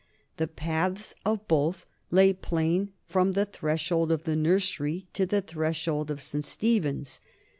The paths of both lay plain from the threshold of the nursery to the threshold of St. Stephen's.